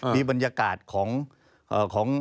มีบรรยากาศของ